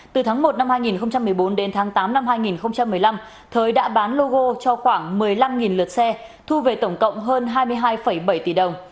từ tháng một năm hai nghìn một mươi bốn đến tháng tám năm hai nghìn một mươi năm thới đã bán logo cho khoảng một mươi năm lượt xe thu về tổng cộng hơn hai mươi hai bảy tỷ đồng